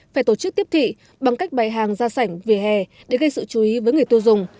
phải tổ chức tiếp thị bằng cách bày hàng ra sảnh về hè để gây sự chú ý với người tiêu dùng